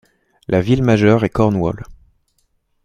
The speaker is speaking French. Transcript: La ville majeure est Cornwall.